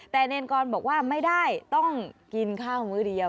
แต่เนรกรบอกว่าไม่ได้ต้องกินข้าวมื้อเดียว